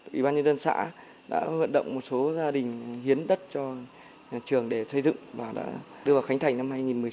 ủy ban nhân dân xã đã vận động một số gia đình hiến đất cho nhà trường để xây dựng và đã đưa vào khánh thành năm hai nghìn một mươi sáu